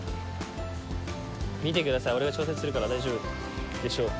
見てください俺が調節するから大丈夫でしょう。